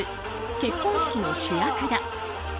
結婚式の主役だ。